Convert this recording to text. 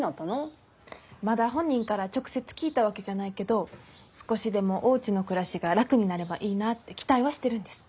まだ本人から直接聞いたわけじゃないけど少しでもおうちの暮らしが楽になればいいなって期待はしてるんです。